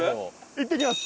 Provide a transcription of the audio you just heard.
行ってきます。